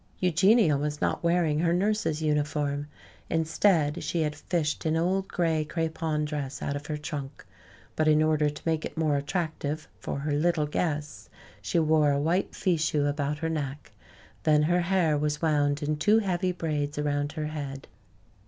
Eugenia was not wearing her nurse's uniform. Instead, she had fished an old gray crepon dress out of her trunk. But in order to make it more attractive for her little guests, she wore a white fichu about her neck. Then her hair was wound in two heavy braids around her head.